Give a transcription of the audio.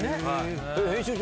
編集長